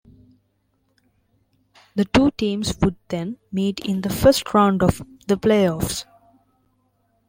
The two teams would then meet in the first round of the playoffs.